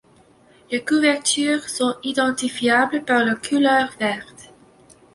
Les couvertures sont identifiables par leur couleur verte.